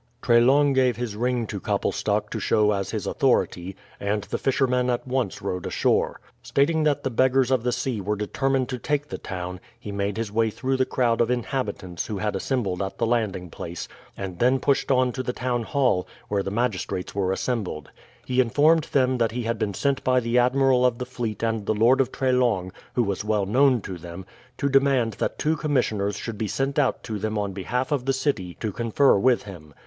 Treslong gave his ring to Koppelstok to show as his authority, and the fisherman at once rowed ashore. Stating that the beggars of the sea were determined to take the town, he made his way through the crowd of inhabitants who had assembled at the landing place, and then pushed on to the town hall, where the magistrates were assembled. He informed them that he had been sent by the Admiral of the Fleet and the Lord of Treslong, who was well known to them, to demand that two commissioners should be sent out to them on behalf of the city to confer with him.